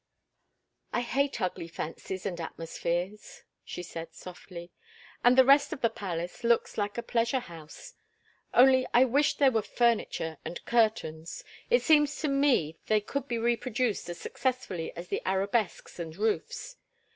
"I hate ugly fancies and atmospheres," she said, softly. "And the rest of the palace looks like a pleasure house; only I wish there were furniture and curtains—it seems to me they could be reproduced as successfully as the arabesques and roofs.